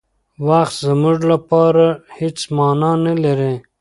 وخت زموږ لپاره هېڅ مانا نه لري.